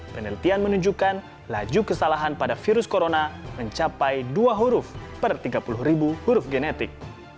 penelitian menunjukkan laju kesalahan pada virus corona mencapai dua huruf per tiga puluh ribu huruf genetik